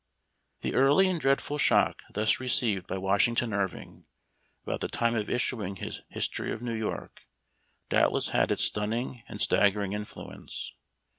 The early and dreadful shock thus received by Washington Irving, about the time of issuing his " History of New York," doubtless had its stunning and staggering influence.